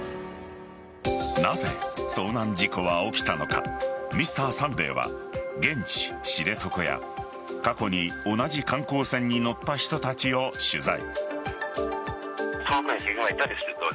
なぜ遭難事故は起きたのか「Ｍｒ．サンデー」は現地・知床や過去に同じ観光船に乗った人たちを取材。